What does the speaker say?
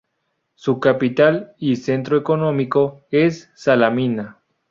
Su capital y centro económico es Salamina.